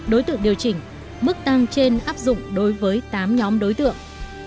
đối tượng điều chỉnh mức tăng trên áp dụng đối với tám nhóm đối tượng